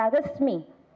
baru hari ini secara resmi